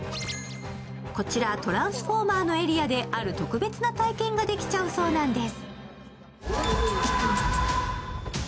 こちら、「トランスフォーマー」のエリアである特別な体験ができちゃうそうなんです。